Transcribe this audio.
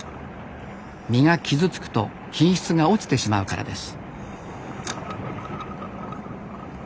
身が傷つくと品質が落ちてしまうからです